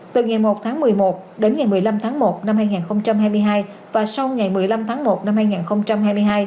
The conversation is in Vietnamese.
từ ngày một tháng một mươi một đến ngày một mươi năm tháng một năm hai nghìn hai mươi hai và sau ngày một mươi năm tháng một năm hai nghìn hai mươi hai